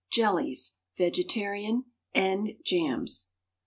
JELLIES (VEGETARIAN) AND JAMS.